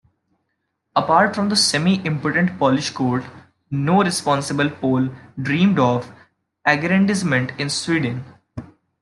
Apart from the semi-impotent Polish court, no responsible Pole dreamed of aggrandisement in Sweden.